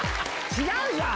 違うじゃん！